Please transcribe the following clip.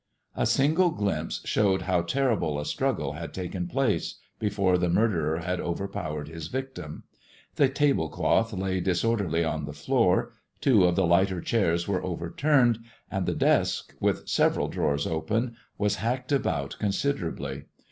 A single glimpse showed how terrible a struggle had taken place before the murderer had overpowered his victim. The tablecloth lay disorderly on the floor, two of the lighter chairs were overturned, and the desk, with several drawers open, was hacked about considerably.